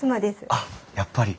あっやっぱり。